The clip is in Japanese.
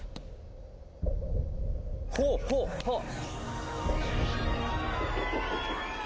ほっほっはっ！